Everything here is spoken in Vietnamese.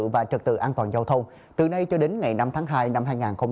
và trật tự an toàn giao thông từ nay cho đến ngày năm tháng hai năm hai nghìn hai mươi